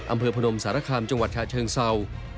อำเภอพนมสารคามจังหวัดชะเชิงเศร้า